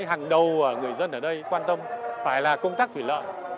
hàng đầu người dân ở đây quan tâm phải là công tác thủy lợi